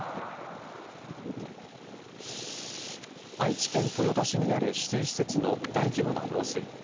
愛知県豊田市にある取水施設の大規模な漏水。